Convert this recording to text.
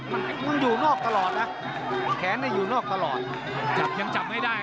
มันมันอยู่นอกตลอดนะแขนอยู่นอกตลอดจับยังจับไม่ได้